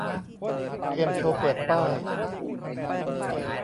เกมโชว์เปิดป้าย